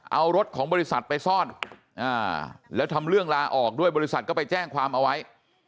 เอารถของบริษัทไปซ่อนแล้วทำเรื่องลาออกด้วยบริษัทก็ไปแจ้งความเอาไว้